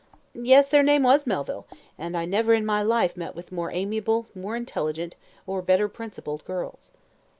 "Yes, their name was Melville, and I never in my life met with more amiable, more intelligent, or better principled girls."